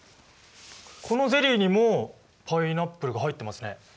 このゼリーにもパイナップルが入ってますね。